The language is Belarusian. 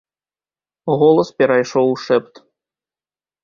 Голас перайшоў у шэпт.